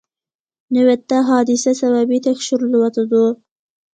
نۆۋەتتە، ھادىسە سەۋەبى تەكشۈرۈلۈۋاتىدۇ.